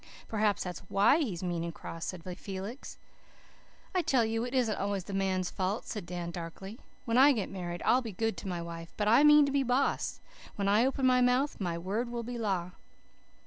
"Perhaps that's WHY he's mean and cross," said Felix. "I tell you it isn't always the man's fault," said Dan darkly. "When I get married I'll be good to my wife, but I mean to be boss. When I open my mouth my word will be law."